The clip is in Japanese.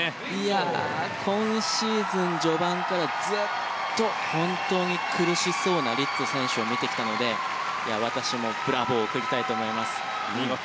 今シーズン序盤からずっと本当に苦しそうなリッツォ選手を見てきたので、私もブラボーを送りたいと思います。